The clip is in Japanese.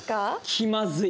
気まずい。